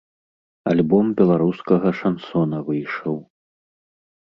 Альбом беларускага шансона выйшаў.